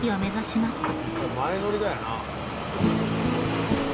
これ前乗りだよな。